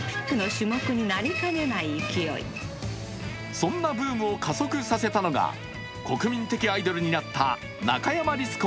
そんなブームを加速させたのが国民的アイドルになった中山律子